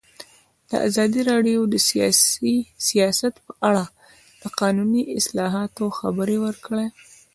ازادي راډیو د سیاست په اړه د قانوني اصلاحاتو خبر ورکړی.